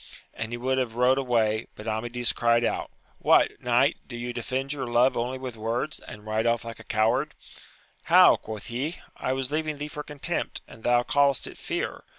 And he would have rode away, but Amadis cried out. What, knight ! do you defend your love only with words, and ride off like a coward 1 How ! quoth he : I was leaving thee for contempt, and thou callest it fear!